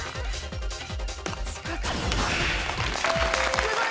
すごい！